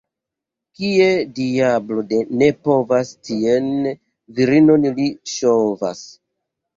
Kie diablo ne povas, tien virinon li ŝovas.